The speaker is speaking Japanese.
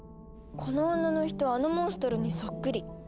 この女の人あのモンストロにそっくり。